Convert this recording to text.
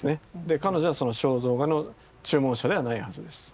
彼女はその肖像画の注文者ではないはずです。